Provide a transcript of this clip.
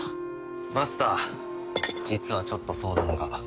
マスター実はちょっと相談が。